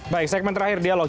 baik segmen terakhir dialog